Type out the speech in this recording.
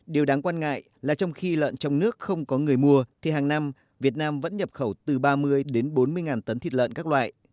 điều đáng quan ngại là trong khi lợn trong nước không có người mua thì hàng năm việt nam vẫn nhập khẩu từ ba mươi đến bốn mươi tấn thịt lợn các loại